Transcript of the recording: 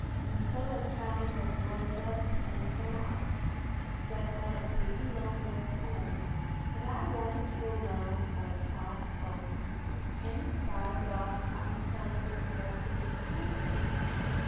And so I kind o' ris up and come out, 'cause I'd got a pretty long walk home, and I wanted to go round by South Pond and inquire about Aunt Sally Morse's toothache."...